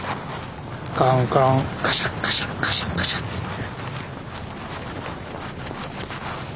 カンカンカシャカシャカシャカシャつって。